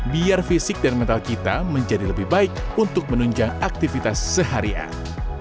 biar fisik dan mental kita menjadi lebih baik untuk menunjang aktivitas seharian